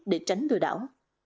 để tránh lừa đảo